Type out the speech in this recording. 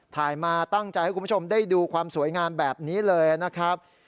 ถ่ายมาตั้งใจให้คุณผู้ชมได้ดูความสวยงามแบบนี้เลยนะครับ